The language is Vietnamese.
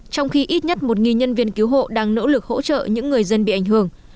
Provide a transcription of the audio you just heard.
trong khi ít nhất một nhân viên cứu hộ đang nỗ lực hỗ trợ những người dân bị ảnh hưởng